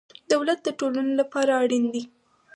دولت د ټولنو لپاره اړین دی.